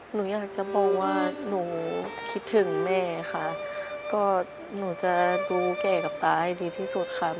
หนูอยากจะบอกว่าหนูคิดถึงแม่ค่ะก็หนูจะดูแก่กับตาให้ดีที่สุดค่ะ